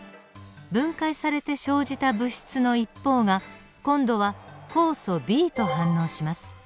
分解されて生じた物質の一方が今度は酵素Ｂと反応します。